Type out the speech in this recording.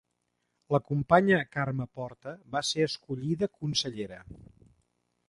La companya Carme Porta va ser escollida consellera.